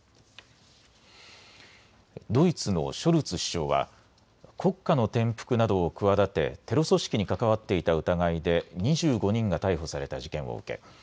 ドイツのショルツ首相は国家の転覆などを企てテロ組織に関わっていた疑いで２５人が逮捕された事件を受け